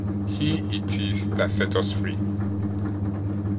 He it is that set us free."